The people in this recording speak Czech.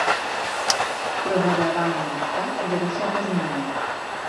Prohledává jen místa, kde došlo ke změně.